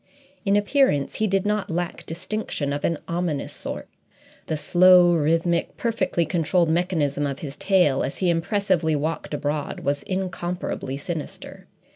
In appearance he did not lack distinction of an ominous sort; the slow, rhythmic, perfectly controlled mechanism of his tail, as he impressively walked abroad, was incomparably sinister.